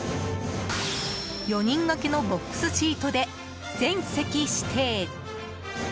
４人がけのボックスシートで全席指定。